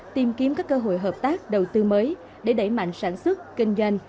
tìm kiếm các cơ hội hợp tác đầu tư mới để đẩy mạnh sản xuất kinh doanh